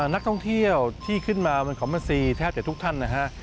นักท่องเที่ยวที่ขึ้นมาเป็นของพระศรีแทบแต่ทุกท่านนะครับ